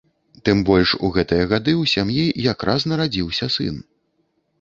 Тым больш у гэтыя гады ў сям'і якраз нарадзіўся сын.